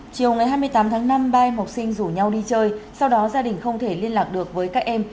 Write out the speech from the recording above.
chiều ngày hai mươi tám tháng năm ba em học sinh rủ nhau đi chơi sau đó gia đình không thể liên lạc được với các em